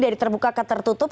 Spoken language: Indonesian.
dari terbuka ke tertutup